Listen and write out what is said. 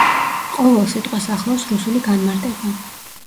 ყოველ სიტყვას ახლავს რუსული განმარტება.